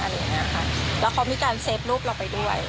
แล้วเค้ามีการเซฟรูปเราไปด้วย